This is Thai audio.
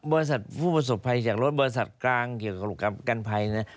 บริษัทผู้ประสบภัยจากรถบริษัทกลางเกี่ยวกับกันภัยนะ